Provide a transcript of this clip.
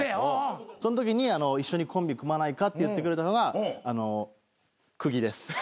そのときに「一緒にコンビ組まないか」って言ってくれたのがあのクギです。